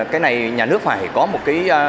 cái này nhà nước phải có một